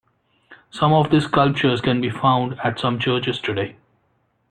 Some of these sculptures can be found at some churches today.